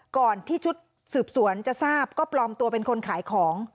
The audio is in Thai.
ก่อนที่ชุดสืบสวนจะทราบก็ปลอมตัวเป็นคนขายของ